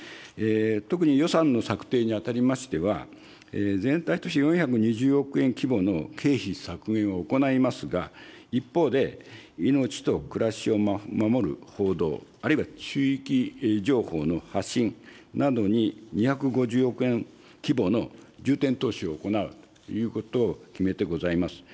特に予算の策定にあたりましては、全体として４２０億円規模の経費削減を行いますが、一方で、命と暮らしを守る報道、あるいは地域情報の発信などに２５０億円規模の重点投資を行うということを決めてございます。